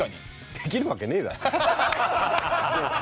できるわけねえだろ。